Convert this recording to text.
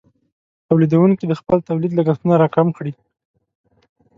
تولیدونکې د خپل تولید لګښتونه راکم کړي.